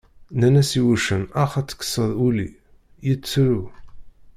Nnan-as i wuccen ax ad tekseḍ ulli, yettru.